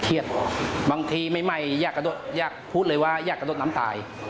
เทียดบางทีใหม่อยากพูดเลยว่าอยากกระดดน้ำตาย